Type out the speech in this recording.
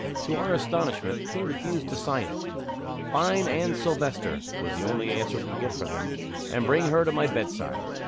To our astonishment, he refused to sign it. 'Find Anne Silvester' (was the only answer we could get from him); 'and bring her to my bedside.